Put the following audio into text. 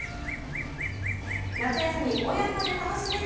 夏休み、親子で楽しめる！